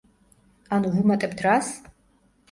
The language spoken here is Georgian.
ანუ ვუმატებთ რას?